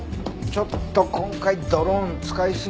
ちょっと今回ドローン使いすぎじゃない？